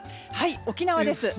沖縄ですね。